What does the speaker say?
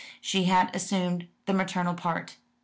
She had assumed the maternal part.